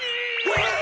うわっ！